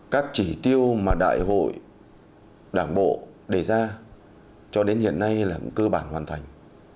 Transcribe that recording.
các chỉ tiêu mà đại hội đảng bộ đề ra cho đến hiện nay là cơ bản hoàn thành